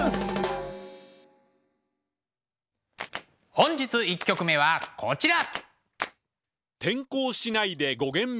本日１曲目はこちら。